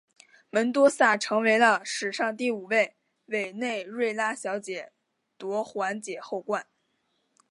门多萨成为了史上第五位委内瑞拉小姐夺环姐后冠。